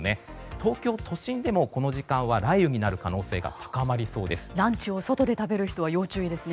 東京都心でもこの時間は雷雨になる可能性がランチを外で食べる人は要注意ですね。